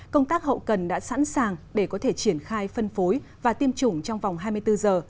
công tác hậu cần đã sẵn sàng để có thể triển khai phân phối và tiêm chủng trong vòng hai mươi bốn giờ